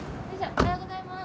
おはようございます。